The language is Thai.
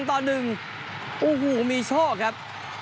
โอ้โหมีโชคครับ